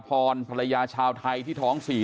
กลุ่มตัวเชียงใหม่